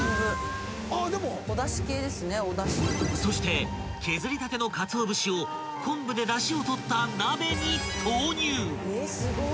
［そして削りたてのかつお節を昆布でだしを取った鍋に投入］